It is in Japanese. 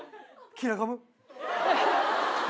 キラガム。